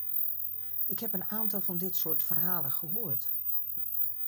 Ik heb een aantal van dit soort verhalen gehoord.